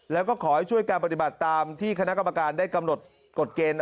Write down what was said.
แล้วก็ขอให้ช่วยการปฏิบัติตามที่คณะกรรมการได้กำหนดกฎเกณฑ์